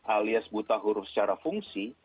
alias buta huruf secara fungsi